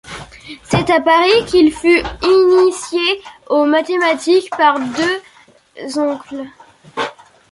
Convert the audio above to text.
C’est à Paris qu’il fut initié aux mathématiques par deux oncles.